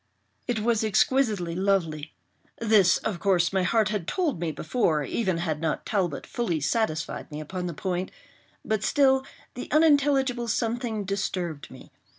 It was exquisitely lovely—this, of course, my heart had told me before, even had not Talbot fully satisfied me upon the point—but still the unintelligible something disturbed me.